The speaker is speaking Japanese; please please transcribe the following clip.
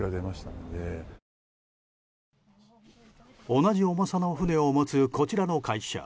同じ重さの船を持つこちらの会社。